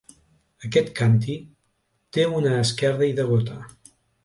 Aquest càntir té una esquerda i degota.